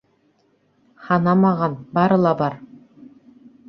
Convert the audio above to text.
Һанамаған, бары ла бар.